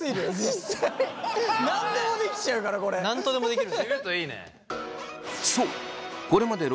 なんとでもできる。